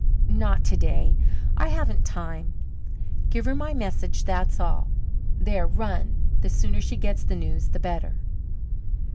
"Not today. I haven't time. Give her my message, that's all. There, run; the sooner she gets the news the better."